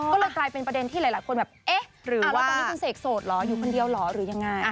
ก็เลยกลายเป็นประเด็นที่หลายคนแบบเอ๊ะหรือว่าตอนนี้คุณเสกโสดเหรออยู่คนเดียวเหรอหรือยังไง